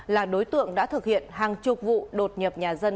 là đối tượng đã thực hiện hàng chục vụ đột nhập nhà dân